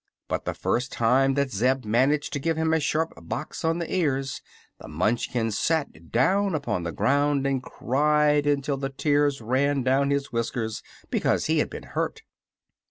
But the first time that Zeb managed to give him a sharp box on the ears the Munchkin sat down upon the ground and cried until the tears ran down his whiskers, because he had been hurt.